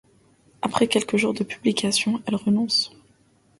Après quelques jours de publication, elle renonce.